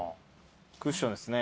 クッションですね。